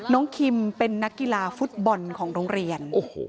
คิมเป็นนักกีฬาฟุตบอลของโรงเรียน